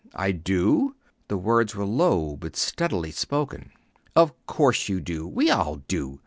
"I do." The words were low, but steadily spoken. "Of course you do! We all do.